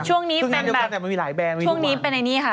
ช่วงนี้เป็นแบบช่วงนี้เป็นอันนี้ค่ะ